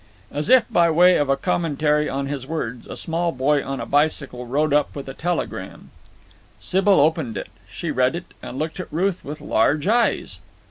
As if by way of a commentary on his words, a small boy on a bicycle rode up with a telegram. Sybil opened it. She read it, and looked at Ruth with large eyes.